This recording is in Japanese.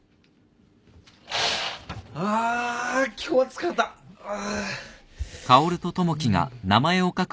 あ今日は疲れたあ。